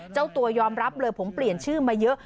เจ้าตัวยอมรับเลยผมเปลี่ยนชื่อมาเยอะ